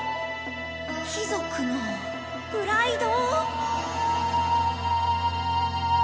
貴族のプライド。